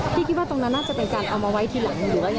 คิดว่าตรงนั้นน่าจะเป็นการเอามาไว้ทีหลังหรือว่า